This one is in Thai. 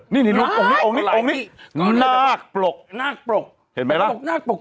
นี่นี่โอ้งนี้โอ้งนี้โอ้งนี้น่ากปลกน่ากปลกเห็นไหมล่ะน่ากปลก